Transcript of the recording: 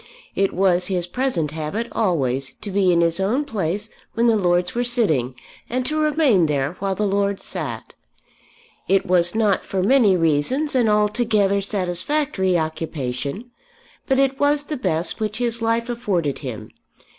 It was his present habit always to be in his own place when the Lords were sitting, and to remain there while the Lords sat. It was not, for many reasons, an altogether satisfactory occupation, but it was the best which his life afforded him.